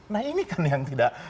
nah ini kan yang tidak